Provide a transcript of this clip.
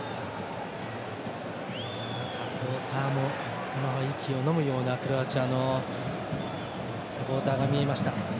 サポーターも息をのむようなクロアチアのサポーターが見えました。